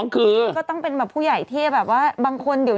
ขอเลือกเองได้ไหมอะไรอย่างนี้